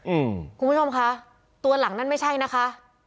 อืมคุณผู้ชมค่ะตัวหลังนั้นไม่ใช่นะคะ